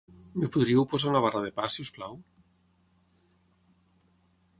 Em podríeu posar una barra de pa, si us plau?